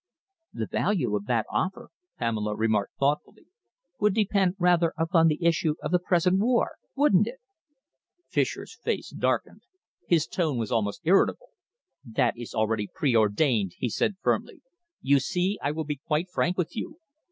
"The value of that offer," Pamela remarked thoughtfully, "would depend rather upon the issue of the present war, wouldn't it?" Fischer's face darkened. His tone was almost irritable. "That is already preordained," he said firmly. "You see, I will be quite frank with you.